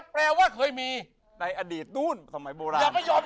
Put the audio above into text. แปลว่าเคยมีในอดีตตู้นทำไมโบราณยอม